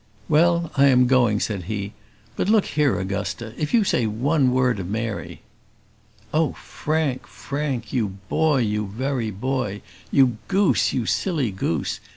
"Well, I am going," said he; "but look here Augusta, if you say one word of Mary " Oh, Frank! Frank! you boy, you very boy! you goose, you silly goose!